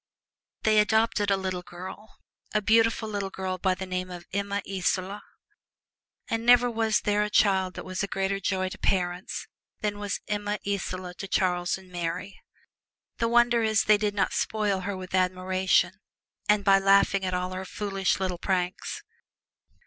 They adopted a little girl, a beautiful little girl by the name of Emma Isola. And never was there child that was a greater joy to parents than was Emma Isola to Charles and Mary. The wonder is they did not spoil her with admiration, and by laughing at all her foolish little pranks.